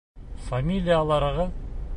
Фамилияларығыҙ?